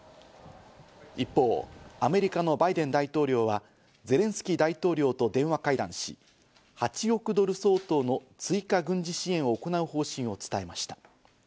一方、アメリカのバイデン大統領はゼレンスキー大統領と電話会談し、８億ドル相当の追加軍事支援を行う方針を伝えました。